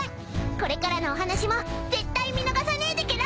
これからのお話も絶対見逃さねえでけろ！